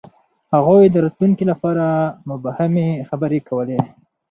هغوی د راتلونکي لپاره مبهمې خبرې کولې.